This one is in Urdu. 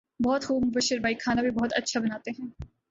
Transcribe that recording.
بہت خوب مبشر بھائی کھانا بھی بہت اچھا بناتے ہیں